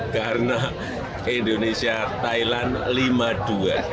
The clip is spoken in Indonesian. karena indonesia thailand lima dua